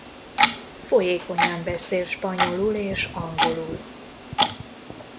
Folyékonyan beszél spanyolul és angolul.